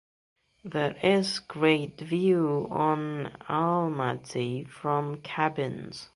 There is great view on Almaty from cabins.